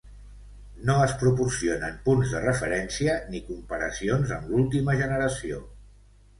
No es proporcionen punts de referència ni comparacions amb l'última generació.